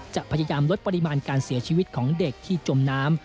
จะพยายามลดปริมาณการเสียชีวิตของเด็กที่จมน้ำ